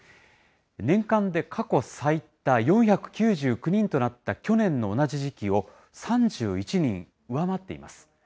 年間で過去最多４９９人となった去年の同じ時期を、３１人上回っています。